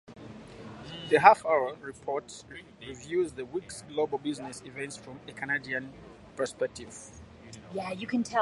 The half-hour report reviews the week's global business events from a Canadian perspective.